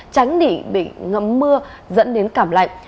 tránh để bị ngấm mưa dẫn đến cảm lạnh